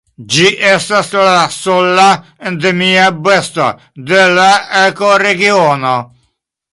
Ĝi estas la sola endemia besto de la ekoregiono.